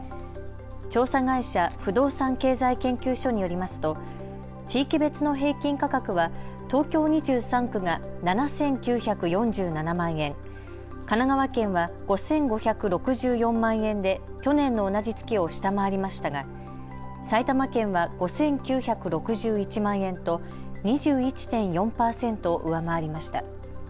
調査会社、不動産経済研究所によりますと地域別の平均価格は東京２３区が７９４７万円、神奈川県は５５６４万円で去年の同じ月を下回りましたが埼玉県は５９６１万円と２１．４％上回りました。